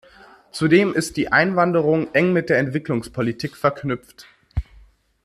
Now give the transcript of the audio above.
Zudem ist die Einwanderung eng mit der Entwicklungspolitik verknüpft.